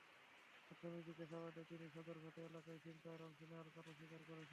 প্রাথমিক জিজ্ঞাসাবাদে তিনি সদরঘাট এলাকায় ছিনতাইয়ে অংশ নেওয়ার কথা স্বীকার করেছেন।